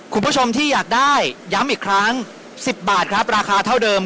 คุณผู้ชมที่อยากได้ย้ำอีกครั้ง๑๐บาทครับราคาเท่าเดิม